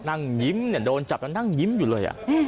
นั่งยิ้มเนี่ยโดนจับนั่งยิ้มอยู่เลยอ่ะ